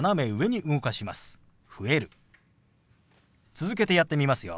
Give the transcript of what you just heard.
続けてやってみますよ。